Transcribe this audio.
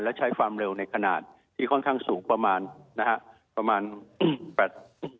และใช้ความเร็วในขนาดที่ค่อนข้างสูงประมาณนะฮะประมาณแปด